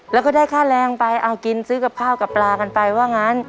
แล้วก็ได้ค่าแรงไปเอากินซื้อกับข้าวกับปลากันไปว่างั้น